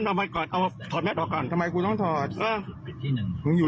แล้วแต่คำถามแล้ว